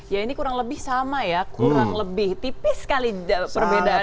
ya ini kurang lebih sama ya kurang lebih tipis sekali perbedaannya